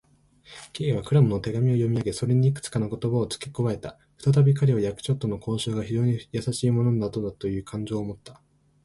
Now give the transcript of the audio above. Ｋ はクラムの手紙を読みあげ、それにいくつかの言葉をつけ加えた。ふたたび彼は、役所との交渉が非常にやさしいものなのだという感情をもった。